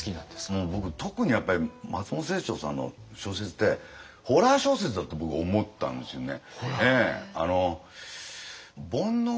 もう僕特にやっぱり松本清張さんの小説ってホラー小説だって僕思ったんですよね。